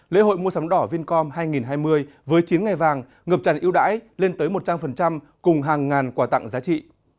lễ hội mua sắm đỏ vincom hai nghìn hai mươi với chín ngày vàng ngập tràn ưu đãi lên tới một trăm linh cùng hàng ngàn quà tặng giá trị